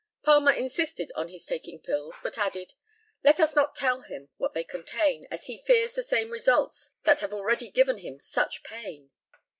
Palmer insisted on his taking pills, but added, "Let us not tell him what they contain, as he fears the same results that have already given him such pain."